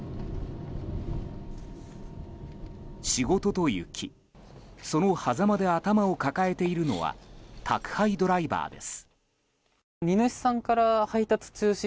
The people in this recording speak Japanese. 仕事と雪、そのはざまで頭を抱えているのは宅配ドライバーです。